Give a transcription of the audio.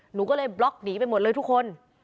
หนูก็เลยบล็อกหนีไปหมดเลยทุกคน